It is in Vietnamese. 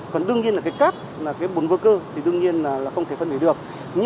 còn đương nhiên là cái cát là cái bùn vô cơ thì đương nhiên là không thể phân hủy được